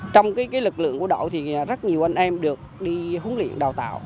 trong lực lượng của đội thì rất nhiều anh em được đi huấn luyện đào tạo